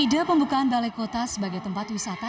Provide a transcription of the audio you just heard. ide pembukaan balai kota sebagai tempat wisata